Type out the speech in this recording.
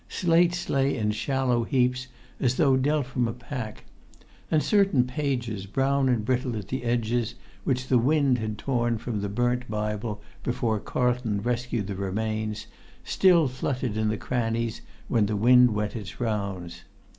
Slates lay in shallow heaps as though dealt from a pack; and certain pages, brown and brittle at the edges, which the wind had torn from the burnt Bible before Carlton rescued the remains, still fluttered in the crannies when the wind went its rounds.